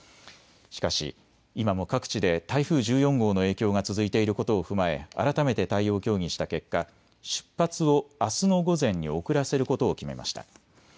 しかし今も各地で台風１４号の影響が続いていることを踏まえ改めて対応を協議した結果、出発をあすの午前に遅らせることを決めました。